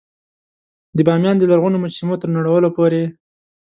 د بامیان د لرغونو مجسمو تر نړولو پورې.